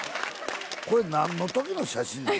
これ何の時の写真なの？